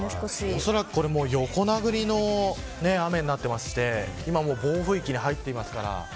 おそらく横殴りの雨になっていて暴風域に入ってますから。